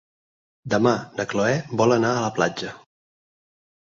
Demà na Cloè vol anar a la platja.